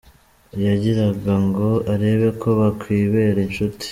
Yagiraga ngo arebe ko bakwibera inshuti.